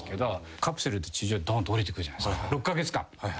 カプセルで地上へどーんと降りてくるじゃないですか。